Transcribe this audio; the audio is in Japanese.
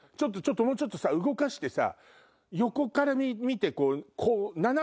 もうちょっと動かしてさ。